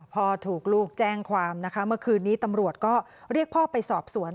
พ่อถูกลูกแจ้งความนะคะเมื่อคืนนี้ตำรวจก็เรียกพ่อไปสอบสวน